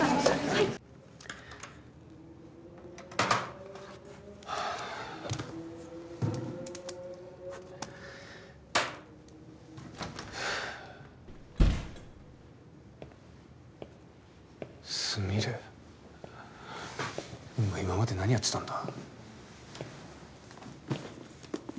はいはあスミレお前今まで何やってたんだ？